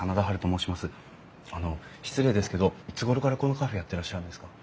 あの失礼ですけどいつごろからこのカフェやってらっしゃるんですか？